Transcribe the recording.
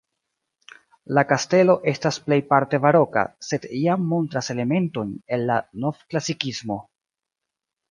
La kastelo estas plejparte baroka, sed jam montras elementojn el la novklasikismo.